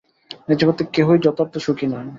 এ জগতে কেহই যথার্থ সুখী নয়।